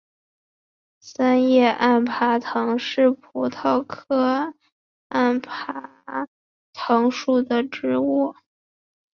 三叶崖爬藤是葡萄科崖爬藤属的植物。